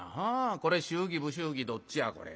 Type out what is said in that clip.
これ祝儀不祝儀どっちやこれ。